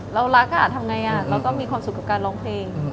เรารักทำไงเราก็มีความสุขกับการร้องเพลง